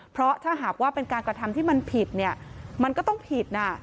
เพราะถ้าหากว่าเป็นการกระทำที่มันผิดเนี่ยมันก็ต้องผิดนะ